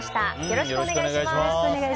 よろしくお願いします。